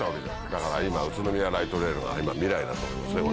だから今宇都宮ライトレールが未来だと思います。